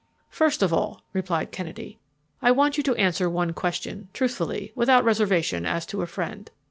"First of all," replied Kennedy, "I want you to answer one question, truthfully, without reservation, as to a friend.